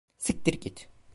Siktir git.